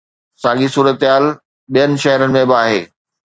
ساڳي صورتحال ٻين شهرن ۾ به آهي.